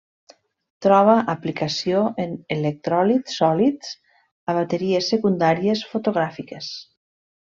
Troba aplicació en electròlits sòlids a bateries secundàries fotogràfiques.